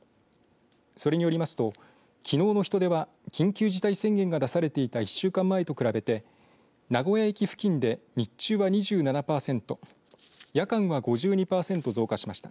それによりますときのうの人出は緊急事態宣言が出されていた１週間前と比べて名古屋駅付近で日中は、２７パーセント夜間は５２パーセント増加しました。